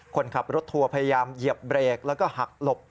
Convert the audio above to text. คนขับรถทัวร์พยายามเหยียบเบรกแล้วก็หักหลบ